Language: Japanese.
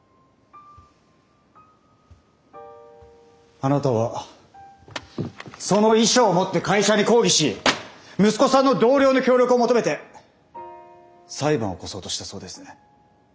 あなたはその遺書を持って会社に抗議し息子さんの同僚の協力を求めて裁判を起こそうとしたそうですね。